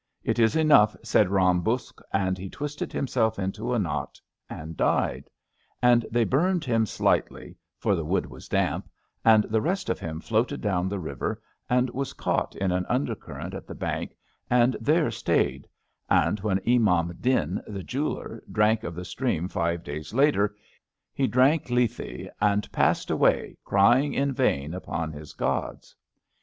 " It is enough," said Ram Buksh, and he twisted himself into a knot and died, and they 84 NEW BROOMS 85 bnmed him slightly — ^for the wood was damp — and the rest of him floated down the river, and was caught in an nndercurrent at the bank, and there stayed; and when Imam Din, the Jeweller, drank of the stream five days later, he drank Lethe, and passed away, crying in vain upon his gods.